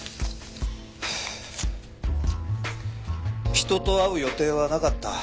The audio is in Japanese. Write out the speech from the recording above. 人と会う予定はなかった。